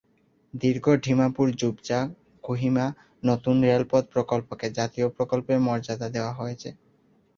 দীর্ঘ ডিমাপুর-জুবজা- কোহিমা নতুন রেলপথ প্রকল্পকে জাতীয় প্রকল্পের মর্যাদা দেওয়া হয়েছে।